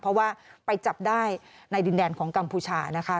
เพราะว่าไปจับได้ในดินแดนของกัมพูชานะคะ